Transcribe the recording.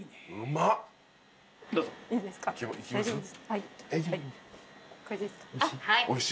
はい。